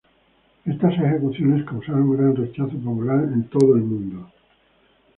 Estas ejecuciones causaron un gran rechazo popular en todo el mundo.